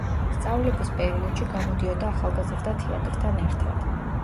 სწავლების პერიოდში გამოდიოდა ახალგაზრდა თეატრთან ერთად.